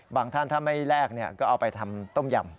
ท่านถ้าไม่แลกก็เอาไปทำต้มยำ